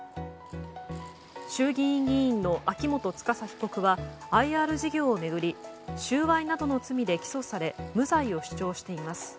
衆議院議員の秋元司被告はＩＲ事業を巡り収賄などの罪で起訴され無罪を主張しています。